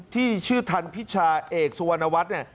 ที่ชื่อทันพิชาเอกสุวรรณวัฒน์